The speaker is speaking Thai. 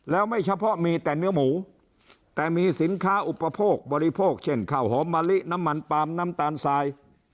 แล้วไม่เฉพาะมีแต่เนื้อหมูแต่มีสินค้าอุปโภคบริโภคเช่นข้าวหอมมะลิน้ำมันปาล์มน้ำตาลทราย